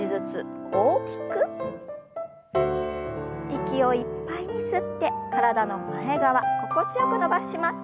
息をいっぱいに吸って体の前側心地よく伸ばします。